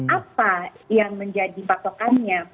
apa yang menjadi patokannya